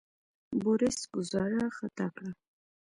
بوریس ګوزاره خطا کړه.